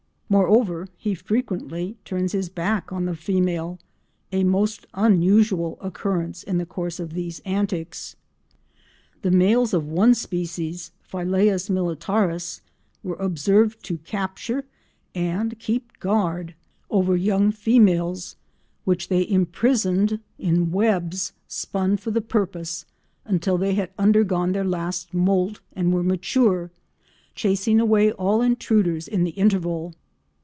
Moreover he frequently turns his back on the female—a most unusual occurrence in the course of these antics. The males of one species, Philaeus militaris, were observed to capture and keep guard over young females, which they imprisoned in webs spun for the purpose until they had undergone their last moult and were mature, chasing away all intruders in the interval.